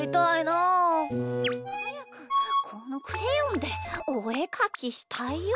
はやくこのクレヨンでおえかきしたいよ。